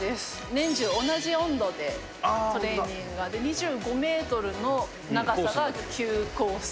年中同じ温度で、トレーニングができて、２５メートルの長さが９コース。